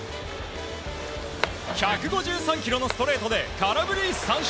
１５３キロのストレートで空振り三振！